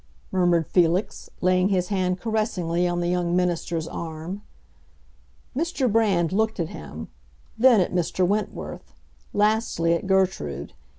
murmured Felix, laying his hand caressingly on the young minister's arm. Mr. Brand looked at him; then at Mr. Wentworth; lastly at Gertrude.